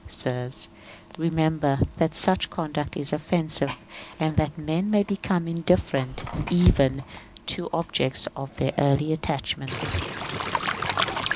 Sirs, remember that such conduct is offensive, and that men may become indifferent even to the objects of their early attachments.